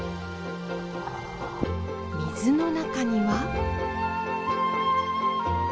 水の中には。